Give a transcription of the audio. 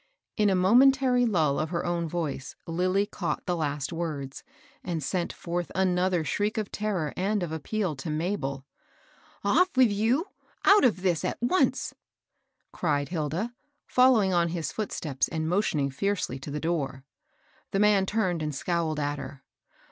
In a momentary lull of her own voice, Lilly caught the last words, and sent forth another shriek of terror and of appeal to Mabel. " Off with you !— out of this at once !" cried Hilda, following on his footsteps, and motioning fiercely to the door. The man turned and scowled at her.